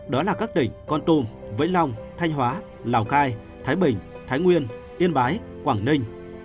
đó là các tỉnh con tum vĩnh long thanh hóa lào cai thái bình thái nguyên yên bái quảng ninh